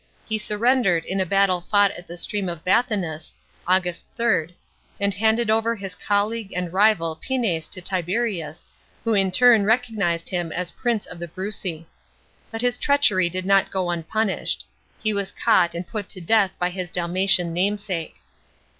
He surrendered in a battle fought at the stream of Bathi&ua$ (August 3) and handed over his colleague and rival Pinnes to Tiberius, who in return recog nised him as prince of the Breuci. But his treachery did not go unpunished. He was caught and put to death by his Dalmatian namesake.